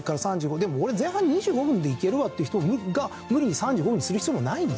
「でも俺前半２５分でいけるわ」っていう人が無理に３５分にする必要もないんですよ。